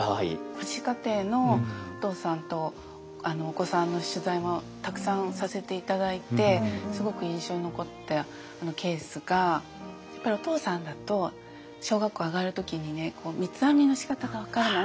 父子家庭のお父さんとお子さんの取材もたくさんさせて頂いてすごく印象に残ったケースがやっぱりお父さんだと小学校上がる時にね三つ編みのしかたが分からない。